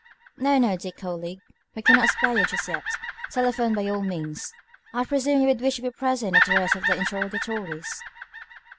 "No, no, dear colleague, we cannot spare you just yet. Telephone by all means. I presume you would wish to be present at the rest of the interrogatories?"